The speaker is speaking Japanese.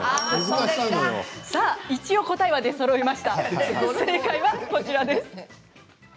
一応答えが出そろいました正解はこちら。